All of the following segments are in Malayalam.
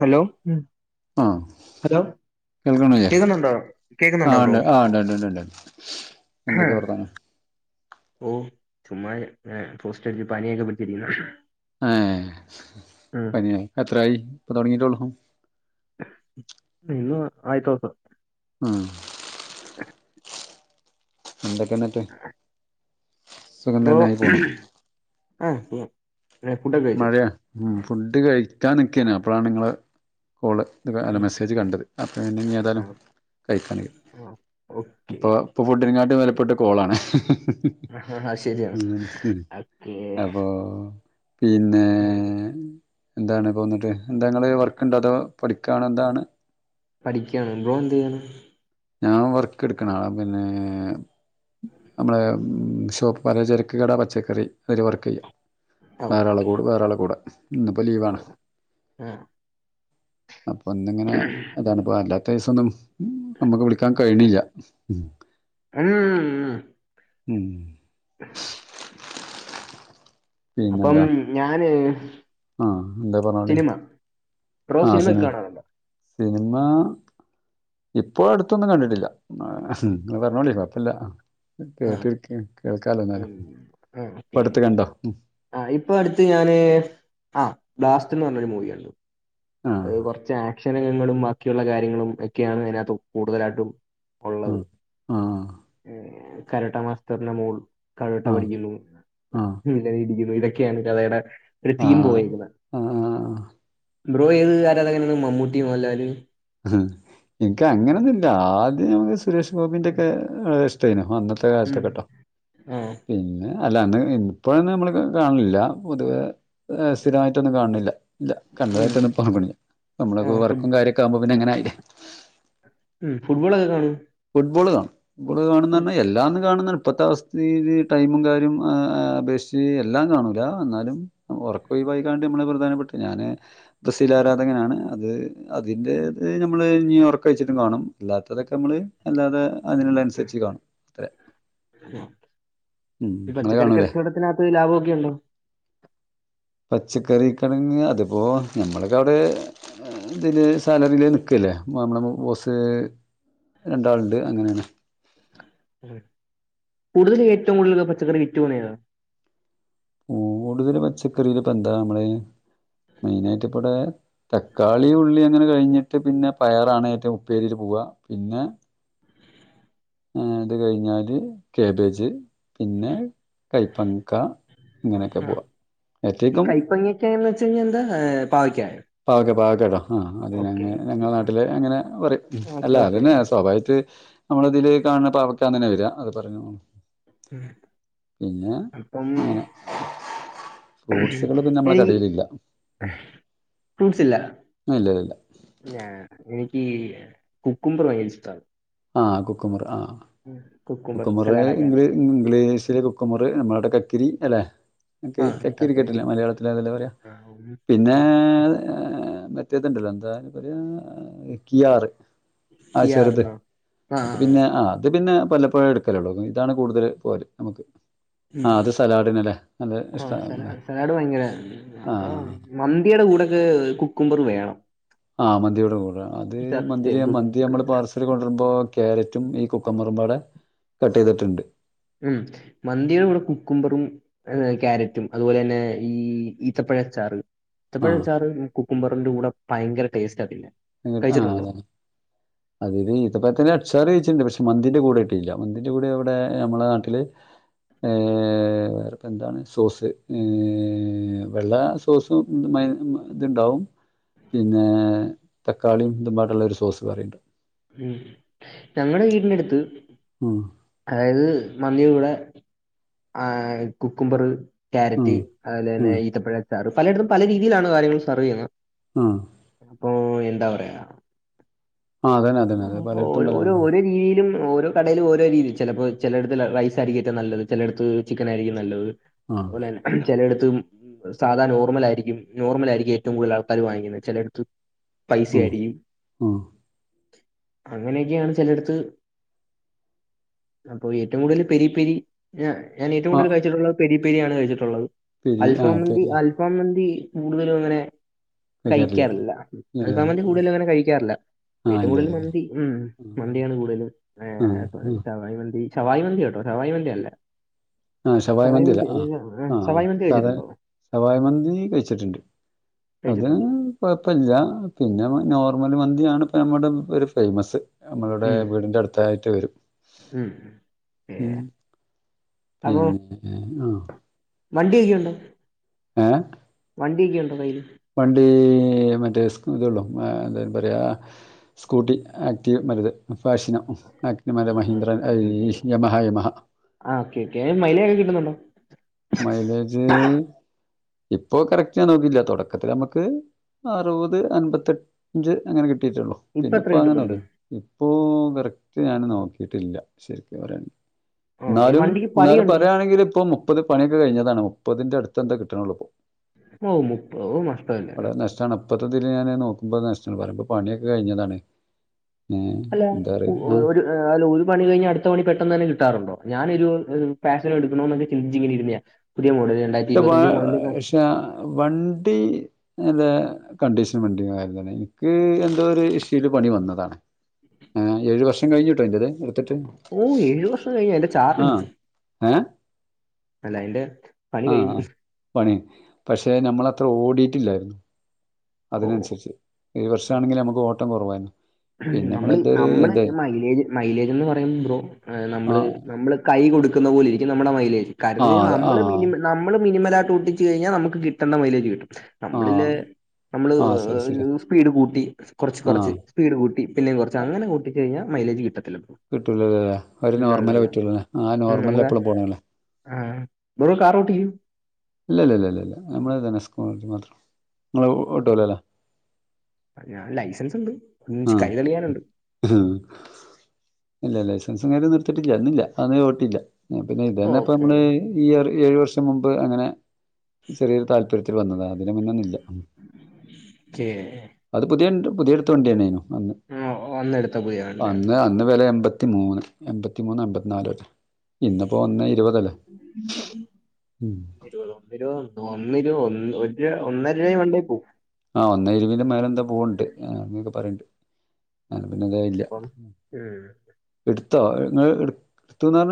ഹലോ അരാ? കേൾക്ക്ണ്ല്ല്യെ ആഹ് ബ്രോ ഇണ്ട് ആഹ് ഇണ്ട്ണ്ട്ണ്ട് എന്തൊക്കെ വർത്താനം? ഓഹ് ചുമ്മാ ഏ പോസ്റ്റടിച്ച് പനിയൊക്കെ പിടിച്ചിരിക്കുന്നു. ഏഹ് ഉം ഇപ്പങ്ങനായ് എത്രായി ഇപ്പ തൊടങ്ങീട്ടൊള്ളൂ? ഇന്ന് ആയ്ട്ടൊള്ളൂ. മ് [inaudible] എന്തൊക്കെന്ന്‌ട്ട്? ബ്രോ അ മഴയാ മ് ഫുഡ് കഴിക്കാൻ നിക്കേ നി അപ്പളാ ഇങ്ങളെ കോള് അല്ല മെസ്സേജ് കണ്ടത് അപ്പനി ഏതാലും കഴിക്കാന്ന്കര്തി ഓക്കെ ഇപ്പോ ഇപ്പോ ഫുഡിനെങ്കാട്ടിം വെലപ്പെട്ട കോളാണ്. ആ ശരിയാണ് മ് മ് ഓക്കെ അപ്പോ പിന്നേ എന്താണ് ഇപ്പോന്നിട്ട് എന്താ ഇങ്ങള് വർക്ക്ണ്ടോ അതോ പഠിക്കാണോ എന്താണ്? പഠിക്ക്യാണ് ബ്രോ എന്തെയ്യ്ണ്? ഞാൻ വർക്ക്ട്‌ക്ക്ണ ആളാ പിന്നേ അമ്മളെ ഉം ഷോപ്പ് പലചരക്ക് കട പച്ചക്കറി അയ്ല് വർകെയ്യാ ഓ വേറാളെ കൂട് വേറാളെ കൂടെ ഇന്നിപ്പോ ലീവാണ്. ആ അപ്പൊ ഇന്ന്ങ്ങനെ അതാണ്പ്പ അല്ലാത്തീസൊന്നും നമ്മക്ക് വിളിക്കാൻ കഴിയ്ണ്ല്ല്യ മ്. മ് ഉം [inaudible] അപ്പം ഞാന് ആഹ് എന്താ പർഞ്ഞോളീ സിനിമ ബ്രോ സിനിമയൊക്കെ കാണാറൊണ്ടോ? സിനിമാ ഇപ്പോ അട്ത്തൊന്നും കണ്ടിട്ടില്ല ആഹ് ഇങ്ങള് പറഞ്ഞോളി കൊയ്പ്പല്ല ആഹ്. ആ കേട്ടിരിക്ക്യാ കേൾക്കാലോ എന്നാലും ഇപ്പട്ത്ത് കണ്ടോ? ഉം ആഹ് ഇപ്പൊ അട്ത്ത് ഞാന് ആഹ് ബ്ലാസ്റ്റ്ൻന്ന്പർഞ്ഞൊരു മൂവി കണ്ടു. ആ അ്യ്ല് കൊർച്ച് ആക്ഷന് രംഗങ്ങളും ബാക്കിയുള്ള കാര്യങ്ങളും ഒക്കെയാണ് അയിനാത്ത് കൂടുതലായിട്ടും ആ ഒള്ളത് ആ ഉം കരാട്ടാ മാസ്റ്ററിൻ്റ മോള് കരാട്ട ആ പഠിക്കിന്നെ എല്ലാരേം ഇടിക്കിന്നെ ഇതൊക്കെയാണ് കഥയുടെ ഒരു ആ തീം പോയേക്കുന്നെ. ആ ആ ബ്രോ ഏത് ആരാധകനാണ് മമ്മൂട്ടി മോഹൻലാല്? ഉം ഇൻക്കങ്ങനൊന്നുല്ല ആദ്യം സ് സുരേഷ് ഗോപിൻ്റേക്കെ ഇഷ്‌ടേന്നു അന്നത്തെ ഉം കാലത്തൊക്കെട്ടോ. ആ പിന്നെ അല്ലാ അന്ന് ഇന്നിപ്പോഴൊന്നും അമ്മള് കാണലില്ലാ പൊതുവേ ഏഹ് സ്ഥിരമായിട്ടൊന്നും കാണ്ണില്ല ഇല്ല. ഉം കണ്ടതായിട്ടൊന്നും ഇപ്പൊ ഓർമ വര്ണില്ല ആ നമ്മളക്കൂ ഫുട് വറ്ക്കും കാര്യൊക്കാവുമ്പോ പിന്നെങ്ങനെ ആയീലേ. മ് ഫുട്ബോളൊക്ക കാണോ? ഫുട്ബോള് കാണും ഫുട്ബോള് കാണുന്നർഞ്ഞാ എല്ലാന്നും കാണുന്ന ഇപ്പത്തവസ് തീല് ടൈമും കാര്യോം ആഹ് ആഹ് അപേക്ഷിച്ച് എല്ലാം കാണൂല എന്നാലും നമ്മ ഒർക്കൊയിവായിക്കാണ്ട് അമ്മള് പ്രധാനപ്പെട്ട ഞാന് ബ്രസീലാരാധകനാണ് അത് അതിൻ്റേത് ഞമ്മള് ഇഞ്ഞ് ഒർക്കൊയിച്ചിട്ടും കാണും അല്ലാത്തതൊക്കെ നമ്മള് അല്ലാതെ അതിന്ള്ള അൻസര്ച്ച് കാണും. ഉം ഈ ഇങ്ങള് പച്ചക്കറി കാണൂലേ കച്ചോടത്തിനകത്ത് ലാഭൊക്കെ ഉണ്ടോ? പച്ചക്കറി കടേന്ന് അതിപ്പൊ ഞമ്മള്ക്കവടേ അതില് സാലറീല് നിക്ക് അല്ലേ മാ മ്മള മു ബോസ് രണ്ടാള്ണ്ട് അങ്ങനേണ് ഏഹ് കൂടുതല് ഏറ്റോം കൂടുതലുള്ള പച്ചക്കറി വിറ്റു പോണെയാ കൂടുതല് പച്ചക്കറീലിപ്പെന്താ മ്മളെ മെയിനായിട്ടിപ്പടേ തക്കാളി ഉള്ളി അങ്ങനെ കഴിഞ്ഞിട്ട് പിന്നെ പയറാണ് ഏറ്റവും ഉപ്പേരീല് പൂവ്വാ പിന്നെ അത് കഴിഞ്ഞാല് ക്യാബേജ് പിന്നെ കൈപ്പങ്ങ്ക ഇങ്ങനെക്കെ പോവാ ഏറ്റേക്കും കേന്ന് വെച്ച് കഴിഞ്ഞാ എന്താ ഏഹ് പാവയ്ക്കായോ പാവക്ക പാവക്കാട്ടാ ആഹ് അത് ഓക്കെ ഞങ്ങേ ഞങ്ങള നാട്ടില് അങ്ങനെ പറയും അല്ല ഓക്കെ ഓക്കെ അതന്നെ സ്വാഭാവിയായിട്ട് നമ്മളിതില് കാണണ പാവക്കാന്നന്നെ വര്ആ അത് പറഞ്ഞൂ ഉം. പിന്നെ അപ്പം അങ്ങനെ ഫ്രൂട്ട്സുകള് പിന്നെ മ്മളെ കടയിലില്ല ഫ്രൂട്ട്സില്ല ഇല്ല ഇല്ല ഇല്ല ഞാ എനിക്ക് കുക്കുമ്പർ ഭയങ്കര ഇഷ്ട്ടാ ആഹ് കുക്കുമ്പർ ആഹ് കുക്കുബർ സലാഡ് ആക്കാനെ ഇംഗ്ലീഷില് കുക്കുമ്പർ നമ്മളവ്ടെ കക്കിരി അല്ലെ നക്ക് ആ കക്കീരിക്കിട്ടില്ലേ കക്കരിയാണ് മലയാളത്തിലതല്ലേ പറയാ പിന്നെ ആഹ് മറ്റേതുണ്ടല്ലോ എന്താ അയിനെ പറയാ കിയാറ് കിയാർ ആഹ് അത് പിന്നെ ആഹ് അത് പിന്നെ വല്ലപ്പോഴെ എടുക്കലുള്ളു ഇതാണ് കൂടുതൽ പോവല് നമുക്ക് ഉം. ആഹ് അത് സലാഡിനല്ലേ അത് ആ ഇഷ്ട്ടാ ഇവിടെ സലാഡ് സലാഡ് ഭയങ്കര ആ, ആഹ് മന്തിയുടെ കൂടെയൊക്കെ കുക്കുമ്പറ് വേണം ആഹ് മന്തിയുടെ കൂടെ അത് മന്തിലി സത്യം മന്തി കുക്ക് മ്മള് പാർസൽ കൊണ്ടുവരുമ്പൊ ക്യാരറ്റും ഈ കുക്കുമ്പറും വ്ടെ കട്ട് ചെയ്തിട്ടുണ്ട് ഉം മന്തിയുടെ കൂടെ കുക്കുമ്പറും ക്യാരറ്റും അതുപോലെ ന്നെ ഈ ഈത്തപ്പഴച്ചാറ് ആ ആ ഈത്തപ്പഴച്ചാറ് കുക്കുംബറിന്റെ കൂടെ ഭയങ്കര ടേസ്റ്റാതിന്നാൻ ആഹ് അതെ അതുവരെ ഈത്തപ്പഴത്തിന്റെ അച്ചാറ് കഴിച്ചിട്ടുണ്ട് പക്ഷെ മന്തിന്റെ കൂടെ ട്ടിയില്ല മന്തിന്റെ കൂടെ ഇവിടെ നമ്മളെ നാട്ടില് ഏഹ് വേറെപ്പെന്താണ് സോസ് വെള്ള സോസും മയോ ഇതുണ്ടാവും പിന്നേ തക്കാളിയും ഇതുമ്പായിട്ടുള്ള ഒരു സോസ് വേറെയിണ്ട് ഉം ഞങ്ങടെ വീടിനടുത്ത് ഉം അതായത് മന്തിയുട കൂടെ ആഹ് കുക്കുമ്പറ് ഉം ക്യാരറ്റ് അതുപോലെ തന്നെ ഉം ഈത്തപ്പഴച്ചാറ് പലയിടത്തും പല രീതിയിലാണ് കാര്യങ്ങൾ സെർവ് ചെയ്യുന്നത് ആഹ് അപ്പൊ എന്താ പറയാ ആ അതന്നെ അതന്നെ അതെ ഓ പലയിടത്തും പല ഓരോ മതി. ഒര് രീതിയിലും ഓരോ കടയിൽ ഓരോ രീതി ചിലപ്പൊ ചെ ലയിടത്ത് റൈസായിരിക്കും ഏറ്റവും നല്ലത് ചെലയിടത്ത് ചിക്കനായിരിക്കും നല്ലത് ആ അതുപോലന്നെ ചെ ലയിടത്തും സാദാ നോർമ്മലായിരിക്കും നോർമ്മലായിരിക്കും ഏറ്റവും കൂടുതൽ ആൾക്കാർ വാങ്ങിക്കുന്നത് ചെലയിടത്ത് പൈസ ആയിരിക്കും ആഹ് അങ്ങനെക്കെയാണ് ചെലടത്ത് അപ്പൊ ഏറ്റവും കൂടുതൽ പെരിപ്പെരി ഞാ ഞാൻ ഏറ്റവും ആ കൂടുതൽ കഴിച്ചിട്ടുള്ളത് പെരി പെരിയാണ് കഴിച്ചിട്ടുള്ളത് പിരി ആ അൽഫാമന്തി അൽ അൽഫാമന്തി കൂടുതലും അങ്ങനെ കരില്ല കഴിക്കാറില്ല അൽഫാമന്തി കൂടുതലും അങ്ങനെ കഴിക്കാറില്ല ആ ഏറ്റവും ഇല്ല കൂടുതൽ ഇല്ല മന്തി ഉം ആ മന്തിയാണ് കൂടുതലും ആ ആഹ് ആ ശവായി മന്തി ശവായി മന്തി കേട്ടോ ശവായി മന്തി അല്ല ആഹ് ശവായി ഷവായി മന്തിയല്ല മന്തി ആഹ് ഏർ, ആഹ് ഷവായി മന്തി സാധാ കഴിച്ചിട്ടുണ്ടോ ശവായി മന്തി കഴിച്ചിട്ടുണ്ട് അത് കഴിച്ചിട്ടുണ്ട് കുഴപ്പില്ല പിന്നെ നോർമൽ മന്തിയാണ് ഇപ്പ നമ്മുടെ ഒരു ഫേമസ് നമ്മളുടെ ഉം, വീടിന്റെ അടുത്തായിട്ട് വരും ഉം. ഏ, ഉം പിന്നെ ആഹ് വണ്ടിയൊക്കെയുണ്ടോ ഏഹ് വണ്ടിയൊക്കെയുണ്ടോ കൈയ്യിൽ പണ്ട് ഹ് മറ്റേ [unintelligible] എന്താ അതിന്ന് പറയാ സ്കൂട്ടി ആക്റ്റീവ് മരുത് ഫാശിനം ആക്ടിവ് മരെ ആ ഓക്കെ മഹീന്ദ്രൻ ഓക്കെ ഓക്കെ അയീഷ് യമഹ യമഹ ആ ക്കെ ക്കെ മൈലിഒക്കെ കിട്ടുന്നുണ്ടോ മൈലേജ് ഇപ്പൊ കറക്റ്റണ് നോക്കില്ല തുടക്കത്തില് നമ്മുക്ക് അറുപത് അൻപത്തഞ്ച് അങ്ങനെ കിട്ടിയിട്ടൊള്ളൂ ഇപ്പൊ എത്ര പിന്നെപ്പോങ്ങനെ കിട്ടുന്നുണ്ട് നോക്ക ഇപ്പൊ കറക്റ്റ് ഞാന് നോക്കിട്ടില്ല ശരിക്കും പറയാണെങ്കി ആ ഈ ന്നാലും വണ്ടിക്ക് ന്നാലും പണിയുണ്ടോ പറയാണെങ്കി ഇപ്പൊ മുപ്പത് പണിയൊക്കെ കഴിഞ്ഞതാണ് മുപ്പതിന്റെ അടുത്തെന്താ കിട്ണൊള്ളൂ ഇപ്പോ ഓഹ് മുപ്പത് അത് നഷ്ടല്ലേ [unintelligible] പണിയൊക്കെ കഴിഞ്ഞതാണ് ഏഹ് ഹലോ എന്താ പറയുക ആ ഒരു അഹ് ഒരു പണികഴിഞ്ഞ് അടുത്ത പണി പെട്ട ന്നെന്നെ കിട്ടാറുണ്ടോ ഞാനൊരു ഒരു പാഷൻ എടുക്കണോ ന്ന് ചിന്തിച്ചിങ്ങനെ രിന്നയ പുതിയ മോഡല് രണ്ടായിത്തി പക്ഷെ വ ഇരുപത്തിത്തഞ്ച് മോഡെല് [unintelligible] വണ്ടി നല്ല കണ്ടീഷൻ വണ്ടി [unintelligible] എനിക്ക് എന്തോ ഒരു ഇഷ്യൂല് പണി വന്നതാണ് ആഹ് ഏഴ് വർഷം കഴിഞ്ട്ടോ എന്റേത് ഇട്ത്ട്ട് ഓഹ് ഏഴ് വർഷം കഴിഞ്ഞോ എന്റെ [unintelligible] ഏഹ് [unintelligible] ആഹ് ആഹ് പണി പക്ഷെ നമ്മൾ അത്ര ഓടിട്ടില്ലായിരുന്നു ഓ അതിനനുസരിച്ച് ഏഴ് വർഷാണെങ്കിലും നമ്മക്ക് ഓട്ടം കൊറവായിരുന്നു ന്നമ്മള് ന്നമ്മള് മൈലേജ് മൈലേജെന്ന് പറയുമ്പോ ബ്രോ ന്നമ്മള് ആ ന്നമ്മള് കൈ കൊടുക്കുന്ന പോലെയിരിക്കും നമ്മളെ മൈലേജ് ആ കാരണം ആ നമ്മള് മിനിമം നമ്മള് [unintelligible] കഴിഞ്ഞാൽ നമുക്ക് കിട്ടണ്ട മൈലേജ് കിട്ടും ആ നമ്മളില്ലേ നമ്മള് ആഹ് ശരി ശരി സ്പീഡ് കൂട്ടി കൊറച്ച് കൊറച്ച് ആഹ് സ്പീഡ് കൂട്ടി പിന്നേം കൊറച്ച് അങ്ങെനെ കൂട്ടി കഴിഞ്ഞാൽ മൈലജ് കിട്ടതത്തില്ല ല്ലോ കിട്ടുല ല്ലോ ല്ലേ ഒര് നോർമേ പറ്റുള്ളൂല്ലേ ആ നോർമല് ല് എപ്പളും പോണം ല്ലേ ആഹ് ബ്രോ കാറോട്ടിക ഇല്ല ഇല്ല ഇല്ല ഇല്ല ഇല്ല നമ്മള് സ്‌കൂട്ടി മാത്രം നിങ്ങള് ഓട്ടല്ലോ ല്ലേ ഞാന് ലൈസൻസ് ണ്ട് ആഹ് ഇഹും ഇല്ല ഇല്ല ലൈസൻസും കാര്യന്നും ഇടത്ട്ടില്ല അത് ഓട്ടില്ല പിന്നെ ഇതന്നെ പ്പൊ ഓക്കെ നമ്മള് ഈ ഒരു ഏഴ് വർഷം മുമ്പ് അങ്ങനെ ചെറേരു താല്പര്യത്തിൽ വന്നതാണ് അതിന്ന് മുന്നൊന്നുല്ല ഓക്കെ അത് പുതിയണ്ട് പുതിയട് ത്ത വണ്ട്യന്നേ നു ആ അന്നെടുത്ത പുതിയ വണ്ടിയാണ് അന്ന് അന്ന് വെല എമ്പത്തിമൂന്ന് എമ്പത്തിമൂന്ന് എമ്പത്തിനാല ഇന്നപ്പോ ഒന്നേ ഇരുപതല്ലേ ഇരുപതോ ഒന്നരോ ഒന്നി ഒര് ഒ ന്നരിം ഒന്നരര രണ്ടിൽ പോവും ആഹ് ഒന്നേ ഇരുവീന്റെ മേലെന്താ പോവ്ണ്ട് ആഹ് അങ്ങനൊക്കെ പറയണ്ട് അങ്ങന പിന്നെ ഇതായില അപ്പം ഉം. ഇട്ത്തോ ഇങ്ങള്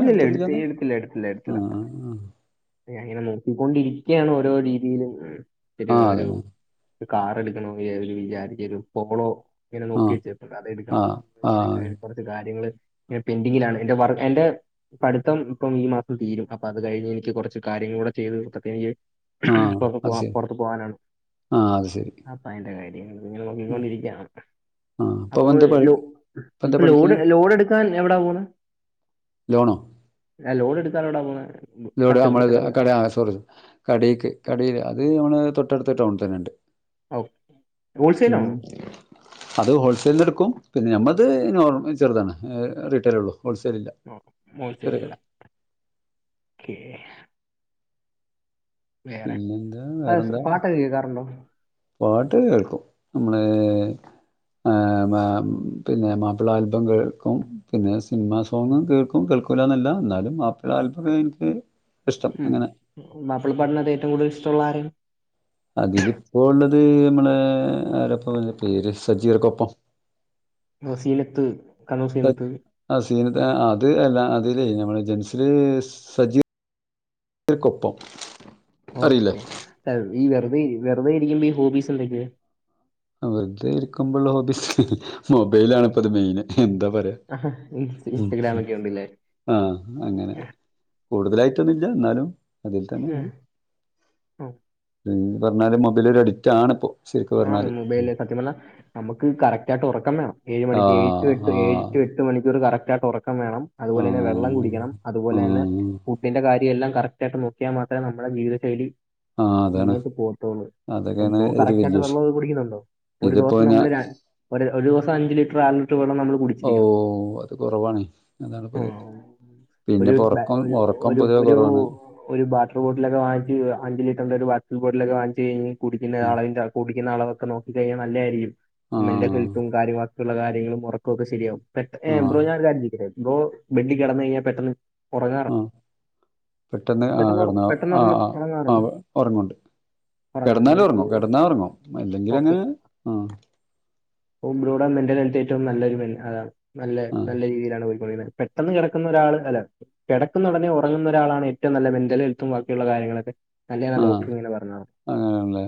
ഇല്ല ഇല്ല ഇടുതീലാ ഇല്ല എടുത്തില്ല ആ ആ ഞാനിങ്ങനെ നോക്കിക്കൊണ്ടിരിക്കാണ് ഓരോ രീതിയിലും ഒരു ആ ഒരു അതന്നെ കാറ് ഇടക്കണോന്ന് വിചാരിരച്ച് ഒരു പോളോ ഇങ്ങനെ ആ നോക്കിവെച്ച് ആ അതെടുക്കണം ആ ഇങ്ങനെയൊക്കെ കുറച്ച് കാര്യങ്ങള് പെന്ഡിങ്ങിലാണ് എന്റെ വ എന്റെ വർക് പഠിത്തം ഇപ്പം ഈ മാസം തീരും അപ്പൊ അത് കഴിഞ്ഞ് എനിക്ക് കുറച്ച് കാര്യങ്ങള് കൂടെ ചെയ്ത് തീർത്ത് എനിക്ക് ആ പുറത്ത അത് പോവാ ശരി പൊറത്തു പോവാനാണ് ആ അത് ശരി അപ്പൊ അയിന്റെ കാര്യങ്ങള് ആ നോക്കിക്കൊണ്ടിരിക്കാണ് ആ ഇപ്പൊ അപ്പ എന്താ പഠി ഇപ്പൊ എന്താ പഠിക്ക് ലോഡ് ലോഡടുക്ക ഇപ്പൊ എവിടെയാ പോവുന്നെ ലോണോ ഞാൻ ലോൺ എടുക്കനാടാ പോവുന്നത് ഇതോടെ നമ്മള്ത് കട ആസ്ദിച്ചു കടക്ക് കടയില് അത് നമ്മള് തൊട്ടടുത്ത് ടൗണ തന്നെയുണ്ട് ഓ ഉം ഹോൾസെയിലാണോ അത് ഹോൾസെയിലിൽ എടുക്കും പിന്നെ നമ്മത് നോർമ ചെറുതാണ് റീറ്റെയിൽ ഉള്ളൂ ഹോൾസെൽ ഇല്ല ചെറിയ കട [unintelligible] വേറെ പിന്നെന്താ വേറെന്താ പാട്ടൊക്കെ കേൾക്കാറുണ്ടോ പാട്ട് കേൾക്കും നമ്മളെ ആഹ് പിന്നെ മാപ്പിള ആൽബം കേൾക്കും പിന്നെ സിനിമാ സോങ്ങും കേൾക്കും കേൾക്കില്ല എന്നല്ല എന്നാലും മാപ്പിള ആൽബമേ എനിക്ക് ഇഷ്ടം ഉം അങ്ങനെ മാപ്പിള പാട്ടിനകത്ത് ഏറ്റവും കൂടുതൽ ഇഷ്ടമുള്ള ആരാണ് അതില് ഇപ്പോ ഉള്ളത് നമ്മള ആരപ്പ പേര് സജീർ കൊപ്പം മുസീനത്ത് കണ്ണൂ സീനത്ത് ആ സീനത്തെ അത് അല്ല അതിലേ നമ്മള് ജെൻസില് സജീവ ക്കൊപ്പം ഓക്കെ ഈ വെറുതെ വെറുതെരിക്കുമ്പോ ഈ ഹോബീസ് എന്തൊക്കെയ വറുതെ ഇരിക്കുമ്പോള്ള ഹോബീസ് മൊബൈലാണ് ഇപ്പ അത് മെയിന് എന്താ പറയാ ആ ഇ ഇൻസ്റ്റഗ്രാം ഒക്കെ ഉണ്ടില്ലേ ആഹ അങ്ങനെ കൂടുതലായിട്ടൊന്നുമില്ല എന്നാലും അതിൽ ഉം. തന്നെയാണ് ഉം. പറഞ്ഞാല് മൊബൈലൊ ഒരു അഡിക്റ്റ ആണ് ഇപ്പോ ശരിക്ക് പറഞ്ഞാൽ മൊബൈല സത്യം പറല്ലാ നമുക്ക് കറക്റ്റ് ആയിട്ട് ഉറക്കം വേണം ഏഴ് ആ മണിക്ക് ഏഴ എട്ട് ഏഴ് ആ എട്ട് മണിക്കൂർ കറക്റ്റയിട്ട് ഉറക്കം വേണം അതുപോലെന്നെ വെള്ളം ആഹ് കുടിക്കണം അതുപോലെ തന്നെ ആഹ് ഫുഡിന്റെ കാര്യം എല്ലാം കറക്റ്റ് ആയിട്ട് നോക്കിയാൽ മാത്രമേ നമ്മളുടെ ജീവിതശൈലി ആഹ് അതാണ് മുന്നോട്ടു അതൊക്കെയാണ് പോകത്തൊള്ളൂ ഒരു കറക് വല്യ വെള്ളം വിഷയം നന്നായികുടിക്കുന്നുണ്ടോ ഒരു ഇതിപ്പോ ദിവസം ഞാ നമ്മൾ രണ്ടു ഒരു ദിവസം നമ്മൾ അഞ്ചുലിറ്റർ വെള്ളം നമ്മ ഓഹ് അത് കുറവാണ് അതാണ്പ്പ ഉം. ഇത് ഒരു പിന്നെപ്പൊ ബ- ഉറക്കം ഒരു ഉറക്കം ഒരു പൊതുവെ ഒരു കുറവാണ് ഒരു ബാട്ടർ ബോട്ടിലൊക്കൊവങ്ങിച്ച് അഞ്ച് ലിറ്റർന്റെ ഒരു ബാട്ടർ ബോട്ടിലൊക്കെ വാങ്ങിച്ച് കഴിഞ് കുടിക്കുന്ന ആളവിന്റെ ഇരിക്കുന്ന അളവൊക്ക നോക്കി കഴിഞ്ഞാ നല്ലതായിരിക്കും നീന്റെ ആഹ് ഹെല്പും കാര്യവും ബാക്കിയുള്ള കാര്യങ്ങളും ഉറക്കുമൊക്കെ ശരിയാവും പെട്ടെന ആഹ് ബ്രോ ഞാൻ ഒരു കാര്യം ചോദിക്കട്ടെ ബ്രോ ബെഡിൽ കിടന്നു കഴിഞ്ഞാൽ പെട്ടെന്ന് ഉറങ്ങാറണ്ടോ ആഹ് പെട്ടെന്ന് ആ കിടന്നാ ആ ആ ആ ഉറങ്ങാറുണ്ട് ഉറങ്ങുണ്ട് കിടന്നാൽ ഉറങ്ങാറുണ്ട് ഉറങ്ങും കിടന്നാ ഉറങ്ങും ഇല്ലെങ്കില അങ്ങനെ ആഹ് ഓ ബ്രോഡ മെന്റൽ ഹെൽത്ത് ഏറ്റവും നല്ലരു അത നല്ല ആഹ് നല്ല രീതിയിലാണ് പോക്കുന്നത് പെട്ടെന്ന് കിടക്കുന്ന ഒരാള് അല്ല കിടക്കുന്ന ഉടനെ ഉറങ്ങുന്ന ഒരാളാണ് ഏറ്റവും നല്ല മെന്റൽ ഹെൽത്തും ബാക്കിയുള്ള കാര്യങ്ങളൊക്കെ നല്ലതാണ് ആ ഡോക്ടർ ഇങ്ങനെ പറഞ്ഞത് അങ്ങനെ ആണല്ലേ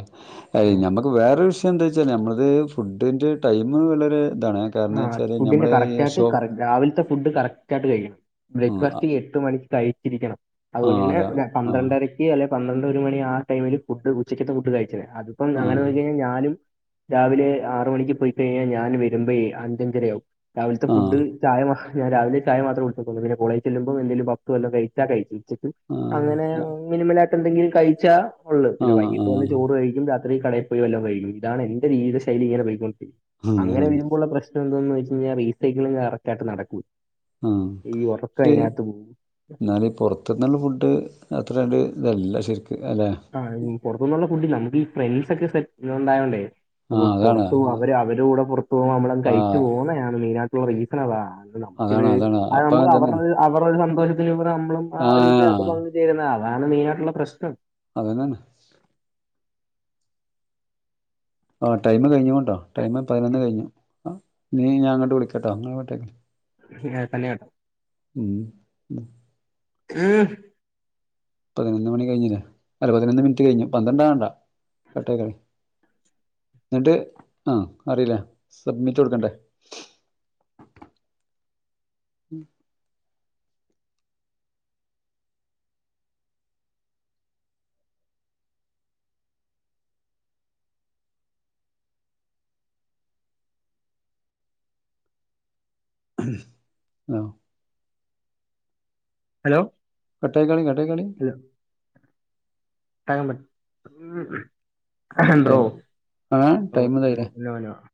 ആ ഞമ്മക്ക് നമുക് വേറെ വിഷയം എന്താ വെച്ചാൽ നമ്മളത് ഫുഡിന്റെ ടൈം വളരെ ഇതാണ് കാരണം ആഹ് വെച്ചാല് ഫുഡിന്റെ നമ്മള് ഈ കറക്റ്റ് ഷോ ആയിട്ട് രാവിലത്തെ ഫുഡ് കറക്റ്റ് ആയിട്ട് കഴിയണം ആഹ് ബ്രേക്ക്ഫാസ്റ്റ് എട്ടു മണിക്ക് കഴിച്ചിരിക്കണം അതുപോലെ ആഹ് അതാ തന്നെ ആഹ് പന്ത്രണ്ടര അല്ലെ പന്ത്രണ്ട് ഒരു മണി ആ ടൈമില് ഫുഡ് ഉച്ചക്കത്തെ ഫുഡ് കഴിച്ചില്ലേ അതിപ്പം അങ്ങനെ ആഹ് നോക്കി കഴിഞ്ഞാൽ ഞാനും രാവിലെ ആറ് മണിക്ക് പോയിക്കഴിഞ്ഞാൽ ഞാൻ വരുമ്പഴേ അഞ്ചഞ്ചരയാവും രാവിലത്തെ ആഹ് ഫുഡ് ചായമ ഞാൻ രാവിലെ ചായ മാത്രം കുടിക്കാത്തൊള്ളൂ പിന്നെ കോളേജ് ചെല്ലുമ്ബം എന്തങ്കിലും പപ്സും വല്ല കഴിച്ചാ കഴിച്ച് ഉച്ചക്ക് ആ അങ്ങനെ മിനിമലാട്ടെ ന്തെങ്കിലും കഴിച്ചാ ഉള്ളത് ആ പിന്നെ ആ വൈകിട്ട് വന്ന് ചോറ് കഴിക്കും രാ അത് കടേ പോയിവല്ലോംകഴിക്കും ഇതാണ് എന്റെ ജീവിത ശൈലിങ്ങനെ പൈക്കൊണ്ടിരിക്യും അങ്ങനെ ആ വരുമ്പോള്ള പ്രശ് എന്തന്ന് വെചിഞ്ഞാൽ റീസൈക്ളിങ്‌ കറക്റ്റായിട്ട് നടക്കൂ ഈ ഉറക്ക അയ്നകത്ത് പോകും ന്നാല് പൊറത്ത്ന്നുള്ള ഫുഡ് അത്ര കണ്ട്തല്ല ശരിക്ക് അല്ലേ ആഹ് പൊറത്തുന്നുള്ള ഫുഡില്ല നമുക്ക് ഈ ഫ്രണ്ട്സ് ഒക്കെ സെറ്റ് ല്ണ്ടായോണ്ടേ ആ അപ്പൊ അതാണ് പൊറത്ത് പോക അതാ- അവര് അവര കൂടെ പുറത്ത് പോക്മ്പമ്മളാന്ന് ആ കഴിച്ച് പോകുന്ന ഞാമെയിനാറ്റിങ്ങ് റീലിസണ താ നമുക്കിത് അതാണ് അതാണ് അപ്പൊ അനമ്ക്ക് അതന്നെ അവര്ടെത് അവരെ ഒരു സന്തോഷത്തിലും ഇവ്ടെ മ്മളും ആ ഒര്ഇത് അത് കൊള് ചേരുന്നാ അതാണ് മെയിനായിട്ടുള്ള പ്രശ്നം അതന്നെന്ന് ആ ടൈമ് കഴിഞ്ങ്ങുൺട്ടോ ടൈമ് പതിനൊന്ന് കഴിഞ്ഞു. ആ നീ ഞാൻ അങ്ങ്ട്ട് വിളിക്കട്ടോ ങ്ങൾഇങ്ങോട്ടേക്ക് ഞ്ഞേട്ടന്നേണ് ഉം ഉം ആഹ് പതിനൊന്ന് മണി കഴിഞ്ഞിലേ അല്ല പതിനൊന്ന് മിൻറ്റ് കയ്ഞ്ഞു പന്ത്രണ്ടാകണ്ട കട്ടാക്കികളി ന്നിട്ട് ആഹ് അറിലേ സബ്മിറ്റ് കൊട്ക്കണ്ടേ ഉം ആഹ് ഹലോ കട്ടായ്ക്കാളിം കട്ടായ്ക്കാളിം ഹലോ ടൈം ആ ടൈം [unintelligible]